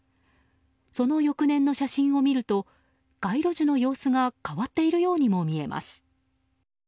その翌年の写真を見ると街路樹の様子が変わっているようにも見えます。